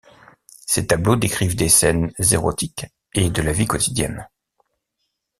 Ses tableaux décrivent des scènes érotiques et de la vie quotidienne.